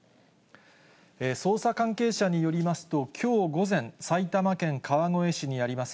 捜査関係者によりますと、きょう午前、埼玉県川越市にあります